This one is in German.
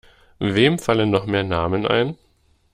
Wem fallen noch mehr Namen ein?